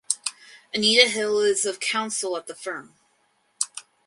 Anita Hill is of counsel at the firm.